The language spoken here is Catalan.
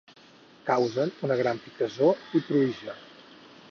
Causen una gran picassor i pruïja.